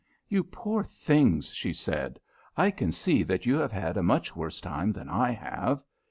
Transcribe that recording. "You poor things," she said. "I can see that you have had a much worse time than I have.